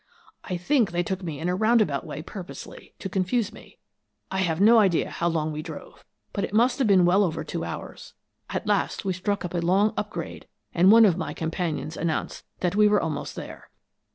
I think they took me in a round about way purposely, to confuse me. I have no idea how long we drove, but it must have been well over two hours. At last we struck a long up grade, and one of my companions announced that we were almost there.